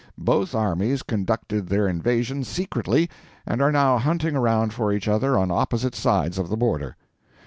Both armies conducted their invasions secretly and are now hunting around for each other on opposite sides of the border.